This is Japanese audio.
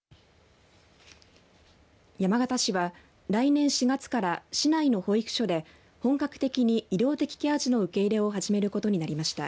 山形市は、来年４月から市内の保育所で本格的に医療的ケア児の受け入れを始めることになりました。